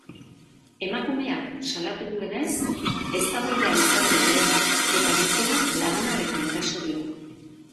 Emakumeak salatu duenez, eztabaida izan dute eta gizonak labanarekin eraso dio.